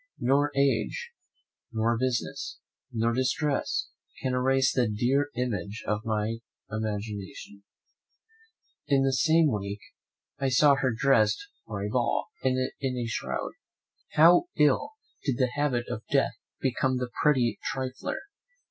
Nor age, nor business, nor distress can erase the dear image from my imagination. In the same week, I saw her dressed for a ball, and in a shroud. How ill did the habit of death become the pretty trifler!